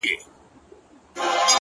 د انسانیت سره دا یو قول کومه ځمه”